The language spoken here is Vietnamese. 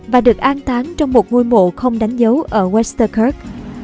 và được an tán trong một ngôi mộ không đánh dấu ở westercurg